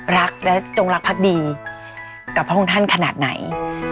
รักและจงรักพักดีกับพระองค์ท่านขนาดไหน